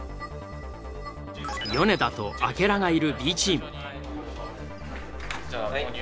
米田と明楽がいるＢチーム。